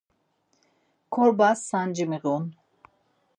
Korbas sanci miğun.